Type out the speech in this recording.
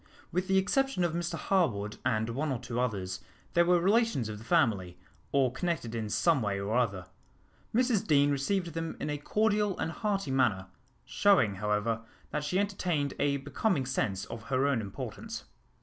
With the exception of Mr Harwood and one or two others, they were relations of the family, or connected in some way or other. Mrs Deane received them in a cordial and hearty manner, showing, however, that she entertained a becoming sense of her own importance.